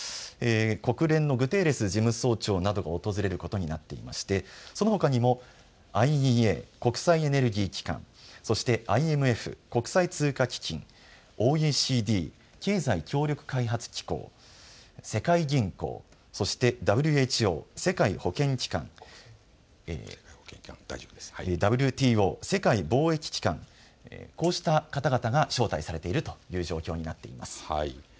国連のグテーレス事務総長なども訪れることになっていましてそのほかにも、ＩＥＡ・国際エネルギー機関、そしてＩＭＦ・国際通貨基金、ＯＥＣＤ・経済協力開発機構、世界銀行、そしてＷＨＯ・世界保健機関、ＷＴＯ・世界貿易機関、こうした方々が招待されているという状況になっています。